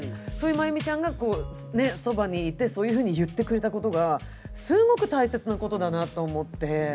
まゆみちゃんがそばにいてそういうふうに言ってくれたことがすごく大切なことだなと思って。